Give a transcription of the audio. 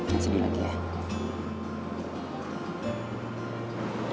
lakukan apa apa aja